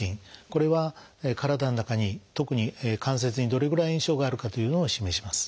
これは体の中に特に関節にどれぐらい炎症があるかというのを示します。